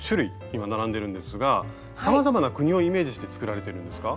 今並んでるんですがさまざまな国をイメージして作られてるんですか？